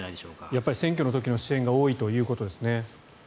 やっぱり選挙の時の支援が多いということですね。